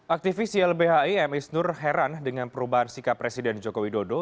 aktivis ylbhim isnur heran dengan perubahan sikap presiden jokowi dodo